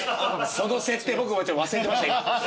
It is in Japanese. その設定僕も忘れてました。